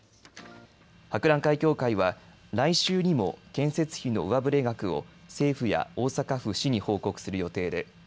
博覧会協会は来週にも建設費の上振れ額を政府や大阪府・市に報告する予定です。